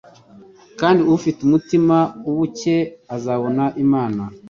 kandi ufite umutima uboncye azabona Imana.